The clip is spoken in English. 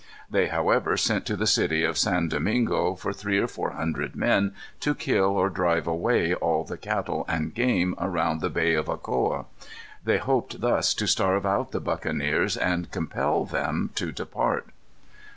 They, however, sent to the city of San Domingo for three or four hundred men, to kill or drive away all the cattle and game around the Bay of Ocoa. They hoped thus to starve out the buccaneers, and compel them to depart.